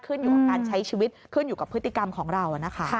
ขึ้นอยู่กับการใช้ชีวิตขึ้นอยู่กับพฤติกรรมของเรานะคะ